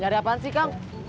nyari apaan sih kang